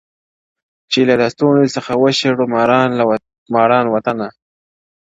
• چي له لستوڼي څخه وشړو ماران وطنه -